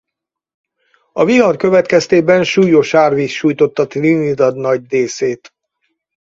A vihar következtében súlyos árvíz sújtotta Trinidad nagy részét.